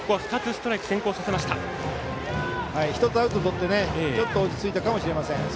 １つアウトとって落ち着いたかもしれません。